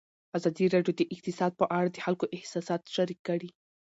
ازادي راډیو د اقتصاد په اړه د خلکو احساسات شریک کړي.